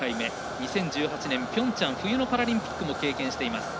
２０１８年ピョンチャン冬のパラリンピックも経験しています。